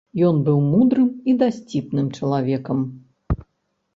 Ён быў мудрым і дасціпным чалавекам.